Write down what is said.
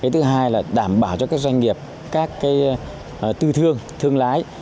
thứ hai là đảm bảo cho các doanh nghiệp các tư thương thương lái